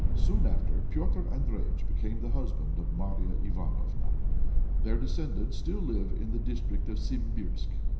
Soon afterwards Petr' Andréjïtch became the husband of Marya Ivánofna. Their descendants still live in the district of Simbirsk.